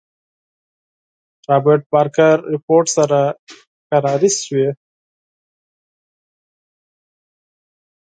رابرټ بارکر رپوټ سره کراري شوې.